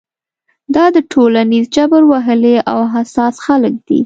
دا د ټولنیز جبر وهلي او حساس خلک دي.